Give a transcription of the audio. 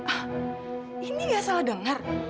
ah ini gak salah dengar